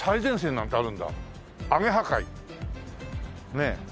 ねえ。